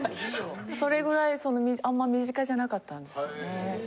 それぐらいあんま身近じゃなかったんです。